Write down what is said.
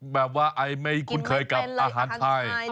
แบบว่าคุณเคยกับอาหารไทย